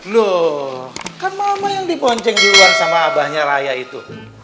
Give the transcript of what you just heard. loh kan mama yang dibonceng duluan sama abahnya raya itu